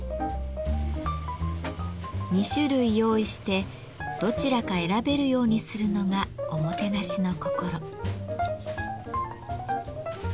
２種類用意してどちらか選べるようにするのがおもてなしの心。